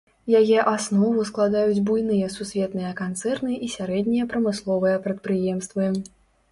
Яе аснову складаюць буйныя сусветныя канцэрны і сярэднія прамысловыя прадпрыемствы.